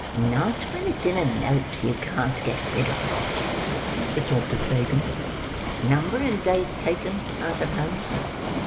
"Not when it's in a note you can't get rid of," retorted Fagin. "Number and date taken, I suppose?